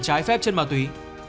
trái phép trên ma túy